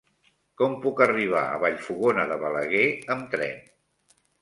Com puc arribar a Vallfogona de Balaguer amb tren?